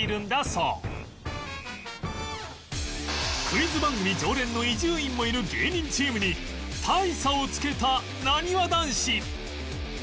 クイズ番組常連の伊集院もいる芸人チームに大差をつけたなにわ男子